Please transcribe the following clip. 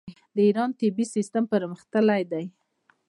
د ایران طبي سیستم پرمختللی دی.